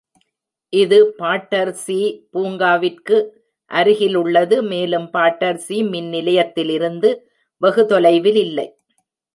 இது பாட்டர்ஸீ பூங்காவிற்கு அருகில் உள்ளது, மேலும் பாட்டர்ஸீ மின் நிலையத்திலிருந்து வெகு தொலைவில் இல்லை.